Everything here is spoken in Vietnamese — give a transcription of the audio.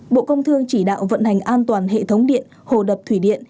bộ công thương chỉ đạo vận hành an toàn hệ thống điện hồ đập thủy điện